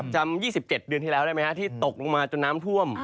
จำ๒๗เดือนที่แล้วได้ไหมฮะที่ตกลงมาจนน้ำท่วม